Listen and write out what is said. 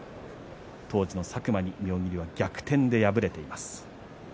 当時の佐久間に妙義龍は逆転で敗れています。